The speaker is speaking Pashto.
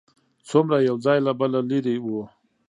څومره یو ځای له بله لرې و.